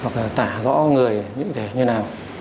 hoặc là tả rõ người như thế nào